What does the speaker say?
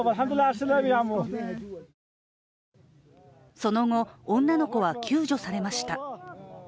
その後、女の子は救助されました。